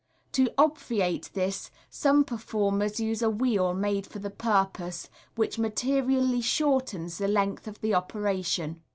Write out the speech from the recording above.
To obviate this, some performers use a wheel made for the purpose, which materially shortens the length of the operation.